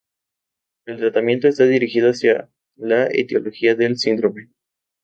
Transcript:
El tratamiento está dirigido hacia la etiología del síndrome.